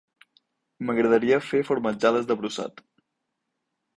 M'agradaria fer formatjades de brussat